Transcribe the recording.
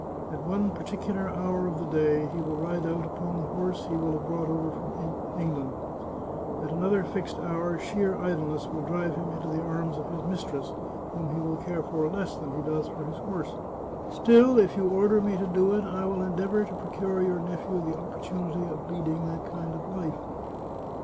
At one particular hour of the day he will ride out upon the horse he will have brought over from England; at another fixed hour sheer idleness will drive him into the arms of his mistress, whom he will care for less than he does for his horse. Still, if you order me to do it, I will endeavour to procure your nephew the op portunity of leading that kind of life."